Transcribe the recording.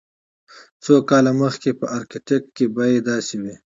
څو کاله مخکې په ارکټیک کې بیې داسې وې